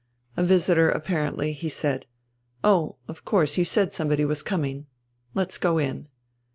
"A visitor apparently," he said. "Oh, of course, you said somebody was coming. Let's go on."